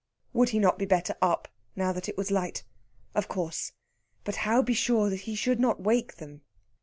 Would he not be better up, now that it was light? Of course! But how be sure he should not wake them?